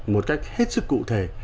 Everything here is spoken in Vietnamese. một cách hết sức cụ thể